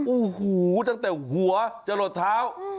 โอ้โหตั้งแต่หัวจะหลดเท้า